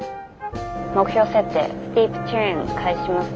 目標設定スティープターン開始します。